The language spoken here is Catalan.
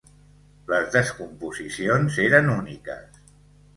Les descomposicions eren úniques.